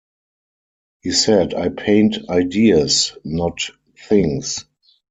He said I paint ideas, not things.